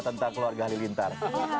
tentang keluarga halilintar